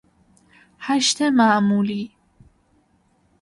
هشت معمولی